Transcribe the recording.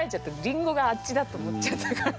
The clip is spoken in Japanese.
りんごがあっちだと思っちゃったから。